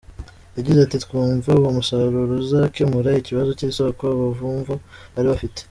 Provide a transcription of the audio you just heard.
Yagize ati “Twumva uwo musaruro uzakemura ikibazo cy’isoko abavumvu bari bafite.